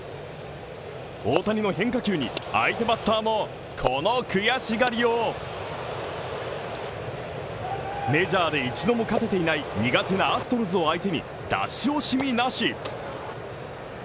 大谷の変化球に、相手バッターも、この悔しがりようメジャーで一度も勝てていない身勝手なアストロズを相手に出し惜しみなし。